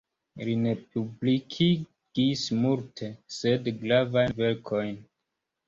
Li ne publikigis multe, sed gravajn verkojn.